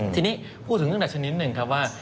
ทีนี้พูดถึงเรื่องสถานีนึงคือว่า